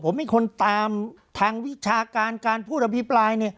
ผมให้คนตามทางวิชาการการพูดอภิปราย